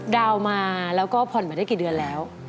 ดาวน์มาแล้วก็ผ่อนมาได้กี่เดือนแล้ว